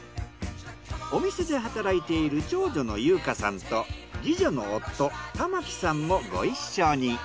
お店で働いている長女の由佳さんと次女の夫玉木さんもご一緒に。